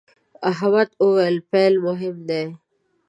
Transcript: احمد وويل: پیل مهم دی.